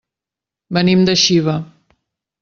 Venim de Xiva.